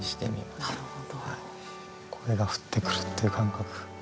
「声が降ってくる」っていう感覚。